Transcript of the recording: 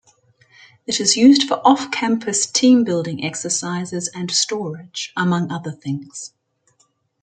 It is used for off-campus team-building exercises and storage, among other things.